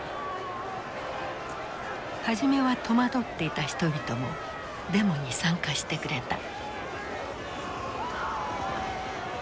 初めは戸惑っていた人々もデモに参加してくれた。